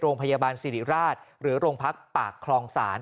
โรงพยาบาลสิริราชหรือโรงพักปากคลองศาล